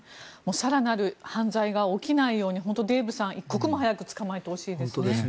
更なる犯罪が起きないように本当にデーブさん一刻も早く捕まえてほしいですね。